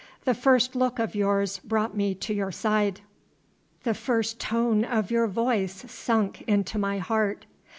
The first look of yours brought me to your side. The first tone of your voice sunk into my heart.